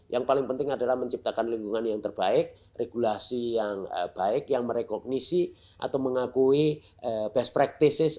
yang paling penting adalah menciptakan lingkungan yang terbaik regulasi yang baik yang merekognisi atau mengakui best practices